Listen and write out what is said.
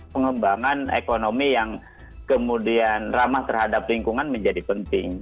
pengembangan ekonomi yang kemudian ramah terhadap lingkungan menjadi penting